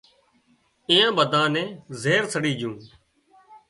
ايئان ٻڌانئين نين زهر سڙي جھون